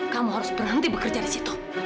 kamu harus berhenti bekerja disitu